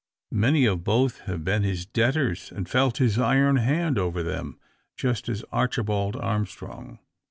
Many of both have been his debtors, and felt his iron hand over them, just as Archibald Armstrong.